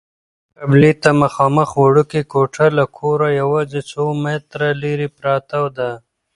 قبلې ته مخامخ وړوکې کوټه له کوره یوازې څو متره لیرې پرته ده.